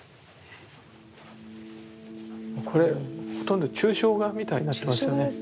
これほとんど抽象画みたいになってますよね。